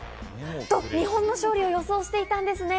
と、日本の勝利を予想していたんですね。